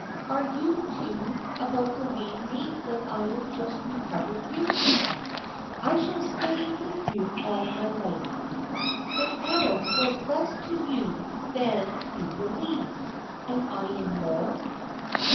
Are you, too, about to leave me when I have just recovered you?" "I shall stay with you all my life." "Then Adam was less to you than you believed, and I am more?"